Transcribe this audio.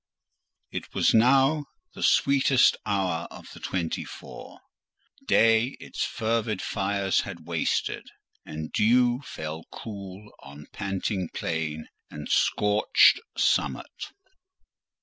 It was now the sweetest hour of the twenty four:—"Day its fervid fires had wasted," and dew fell cool on panting plain and scorched summit.